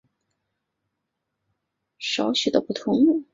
此歌的歌词在其两种语言的版本中仅有少许的不同。